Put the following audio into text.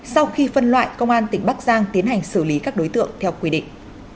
sau khi phân loại công an tỉnh bắc giang tiến hành xử lý các đối tượng theo quy định